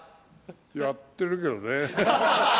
やってるけどね。